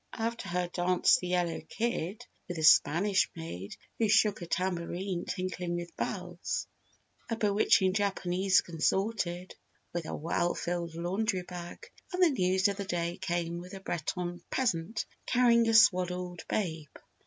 After her danced the Yellow Kid with the Spanish Maid who shook a tambourine tinkling with bells. A bewitching Japanese consorted with a well filled Laundry Bag and the News of the Day came with a Breton peasant carrying a swaddled babe.